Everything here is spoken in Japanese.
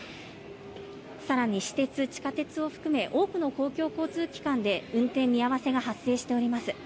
更に、私鉄、地下鉄を含め多くの公共交通機関で運転見合わせが発生しております。